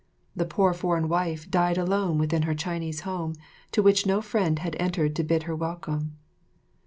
The poor foreign wife died alone within her Chinese home, into which no friend had entered to bid her welcome.